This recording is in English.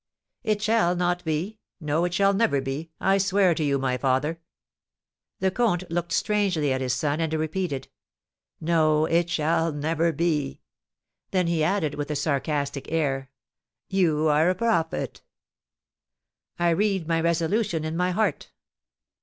"It shall not be! No, it shall never be, I swear to you, my father!" The comte looked strangely at his son, and repeated: "No, it shall never be!" Then he added, with a sarcastic air, "You are a prophet." "I read my resolution in my heart."